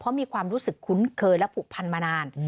เขามีความรู้สึกคุ้นเคยและผูกพันมานาน